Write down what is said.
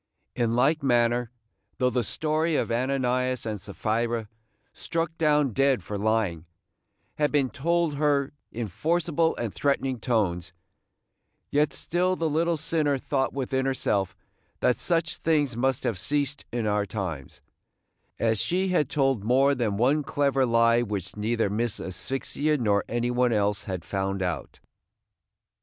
In like manner, though the story of Ananias and Sapphira, struck down dead for lying, had been told her in forcible and threatening tones, yet still the little sinner thought within herself that such things must have ceased in our times, as she had told more than one clever lie which neither Miss Asphyxia nor any one else had found out.